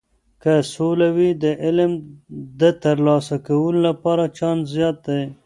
که سوله وي، د علم د ترلاسه کولو لپاره چانس زیات دی.